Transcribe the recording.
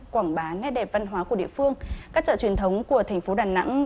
quảng bá nét đẹp văn hóa của địa phương các chợ truyền thống của thành phố đà nẵng